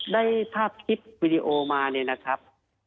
ได้ภาพคลิปวิดีโอมาเนี่ยนะครับ